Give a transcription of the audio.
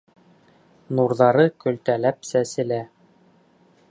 Нурҙары көлтәләп сәселә.